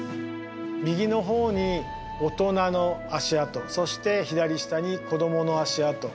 右の方に大人の足跡そして左下に子供の足跡。